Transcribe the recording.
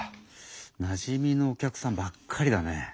なじみのお客さんばっかりだね。